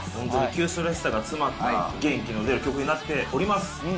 キュウソらしさが詰まった、元気の出る曲になっております。